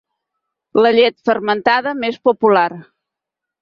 La llet fermentada més popular.